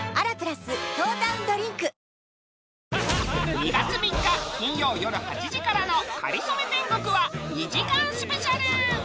２月３日金曜よる８時からの『かりそめ天国』は２時間スペシャル！